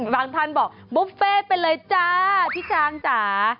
บางท่านบอกบุฟเฟ่ไปเลยจ้าพี่ช้างจ๋า